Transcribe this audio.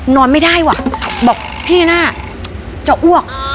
นอนไม่ได้ว่ะบอกพี่น่าจะอ้วก